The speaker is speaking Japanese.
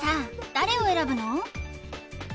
誰を選ぶの？